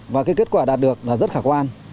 và cái kết quả đạt được là rất khả quan